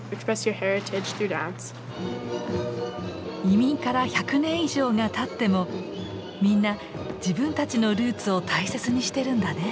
移民から１００年以上がたってもみんな自分たちのルーツを大切にしてるんだね。